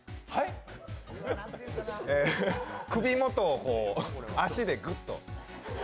首元を足でぐっと。